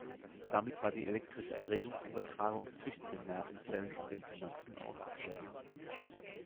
Damit war die elektrische Erregungsübertragung zwischen den Nervenzellen an den Synapsen aufgeklärt.